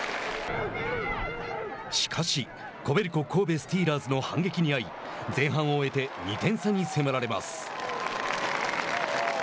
しかし、コベルコ神戸スティーラーズの反撃に遭い前半を終えて２点差に迫られます。